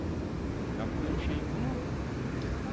Yaptığın şey bu mu?